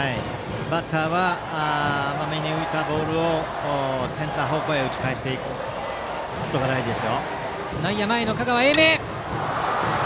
バッターは甘めに浮いたボールをセンター方向へ打ち返すことが大事です。